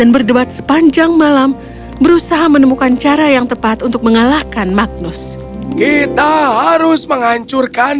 mimpi buruk itu sangat menyenangkan